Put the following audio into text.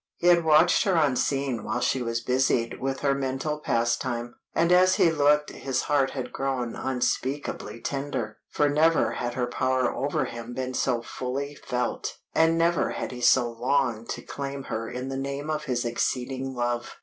He had watched her unseen while she was busied with her mental pastime, and as he looked his heart had grown unspeakably tender, for never had her power over him been so fully felt, and never had he so longed to claim her in the name of his exceeding love.